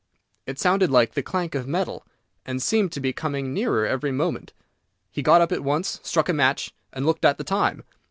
It sounded like the clank of metal, and seemed to be coming nearer every moment. He got up at once, struck a match, and looked at the time.